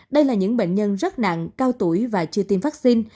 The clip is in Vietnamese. đây là những bệnh nhân rất nặng cao tuổi và chưa tiêm vaccine